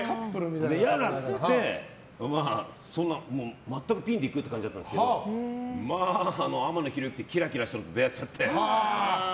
嫌だって言って全くピンでいく感じだったんですが天野ひろゆきってキラキラしたのと出会っちゃって。